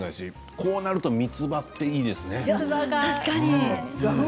こうなるとみつばがいいですね。